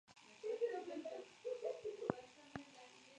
Llegó a ser la primera mujer comandante en España y la segunda de Europa.